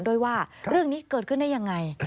ด้วยว่าเรื่องนี้เกิดขึ้นได้ยังไง